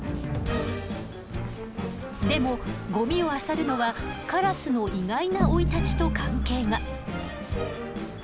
でもゴミをあさるのはカラスの意外な生い立ちと関係が。